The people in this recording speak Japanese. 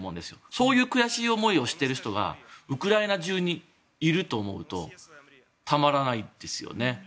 そういう悔しい思いをしている人がウクライナ中にいると思うとたまらないですよね。